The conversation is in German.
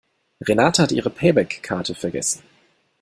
Renate hat ihre Payback-Karte vergessen.